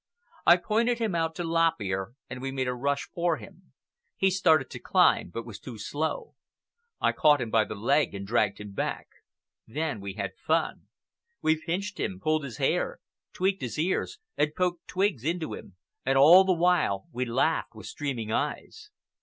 I pointed him out to Lop Ear, and we made a rush for him. He started to climb, but was too slow. I caught him by the leg and dragged him back. Then we had fun. We pinched him, pulled his hair, tweaked his ears, and poked twigs into him, and all the while we laughed with streaming eyes.